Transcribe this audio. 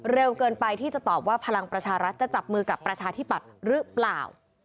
เร็วเกินไปที่จะตอบว่าพลังประชารัฐจะจับมือกับประชาธิปัตย์หรือเปล่า